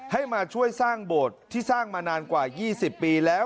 ให้มาช่วยสร้างโบสถ์ที่สร้างมานานกว่า๒๐ปีแล้ว